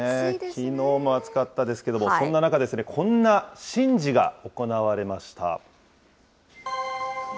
きのうも暑かったですけども、そんな中ですね、こんな神事が行われました。